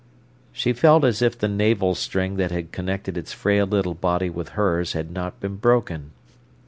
She felt as if the navel string that had connected its frail little body with hers had not been broken.